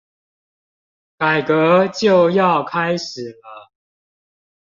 改革就要開始了